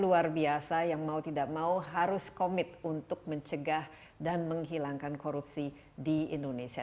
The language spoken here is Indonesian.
luar biasa yang mau tidak mau harus komit untuk mencegah dan menghilangkan korupsi di indonesia